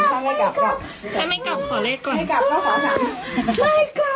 ถ้าไม่กลับขอเล่ก่อน